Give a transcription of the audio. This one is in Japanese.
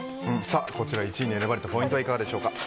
こちら、１位に選ばれたポイントはいかがでしょうか？